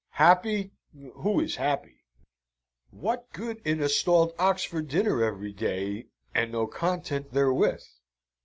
Happy! Who is happy? What good in a stalled ox for dinner every day, and no content therewith?